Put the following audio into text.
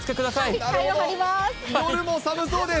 夜も寒そうです。